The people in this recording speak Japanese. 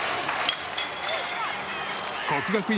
國學院